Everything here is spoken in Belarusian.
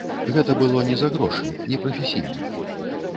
Гэта было не за грошы, непрафесійна.